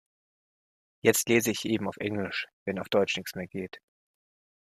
Jetzt lese ich eben auf Englisch, wenn auf Deutsch nichts mehr geht.